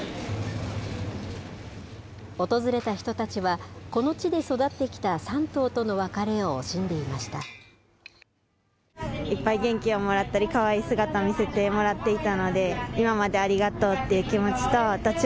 訪れた人たちは、この地で育ってきた３頭との別れを惜しんでいました。